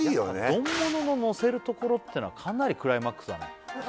丼ものののせるところってのはかなりクライマックスだね